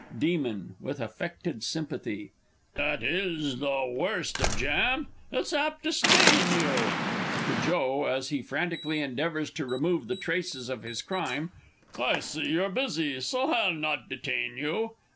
Demon (with affected sympathy). That is the worst of jam it's apt to stain you. [To JOE, as he frantically endeavours to remove the traces of his crime. I see you're busy so I'll not detain you!